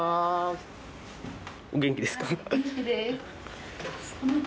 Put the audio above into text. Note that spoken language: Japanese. お元気ですか？